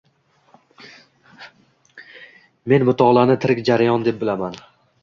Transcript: Men mutolaani tirik jarayon deb bilaman.